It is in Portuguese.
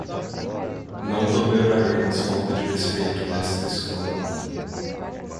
Não toleraremos falta de respeito nesta escola